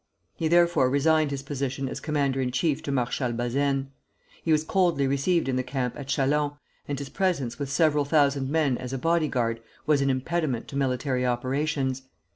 He therefore resigned his position as commander in chief to Marshal Bazaine. He was coldly received in the camp at Châlons, and his presence with several thousand men as a body guard was an impediment to military operations.